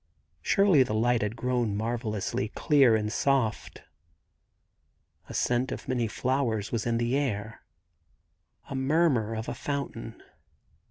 Surely the light had grown marvellously clear and soft. A scent of many flowers was in the air; a murmur of a fountain.